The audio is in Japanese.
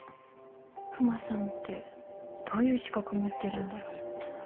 クマさんってどういう資格、持ってるんだろ？